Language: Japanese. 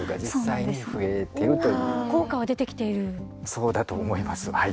そうだと思いますはい。